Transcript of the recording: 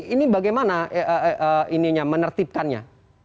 ini bagaimana menertibkannya